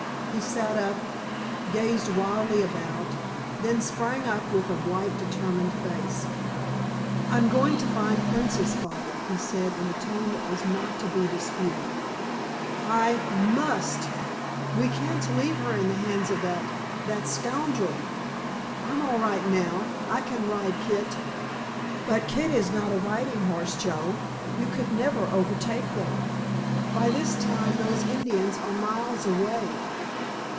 He sat up, gazed wildly about, then sprang up with a white, determined face. "I'm going to find Princess, Father," he said in a tone that was not to be disputed. "I must—we can't leave her in the hands of that—that scoundrel. I'm all right now, I can ride Kit——" "But Kit is not a riding horse, Joe; you could never overtake them. By this time those Indians are miles away."